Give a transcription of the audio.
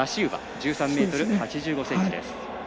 １３ｍ８５ｃｍです。